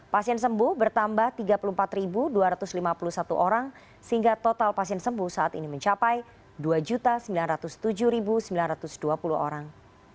pasien sembuh bertambah tiga puluh empat dua ratus lima puluh satu orang sehingga total pasien sembuh saat ini mencapai dua sembilan ratus tujuh sembilan ratus dua puluh orang